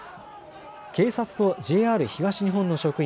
警察とＪＲ東日本の職員